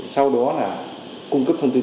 sau đó là cung cấp thông tin